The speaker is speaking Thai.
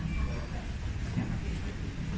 เดี๋ยวพูดใหม่หน่าหน้าอันนี้จะพูดมาอีกทางกันเลยครับ